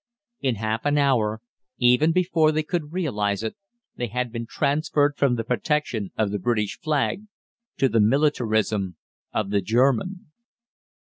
In half an hour, even before they could realise it, they had been transferred from the protection of the British flag to the militarism of the German.